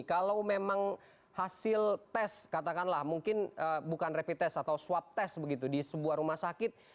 kalau memang hasil tes katakanlah mungkin bukan rapid test atau swab test begitu di sebuah rumah sakit